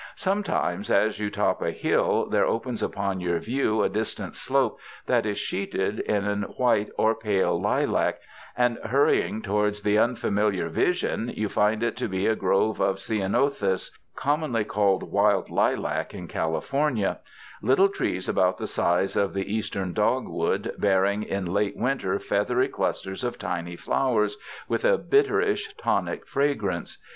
Sometimes as you top a hill there opens upon your view a distant slope that is sheeted in white or pale lilac, and hurrying towards the unfamiliar vision, you find it to be a grove of ceanothus, com monly called wild lilac in California— little trees about the size of the eastern dog'wood, bearing in late winter feathery clusters of tiny flowers, with a bitterish, tonic fragrance.